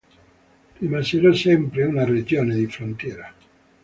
Rimasero sempre una regione di frontiera.